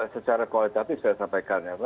secara kualitatif saya sampaikan